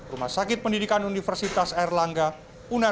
rumah sakit pendidikan universitas erlangga uner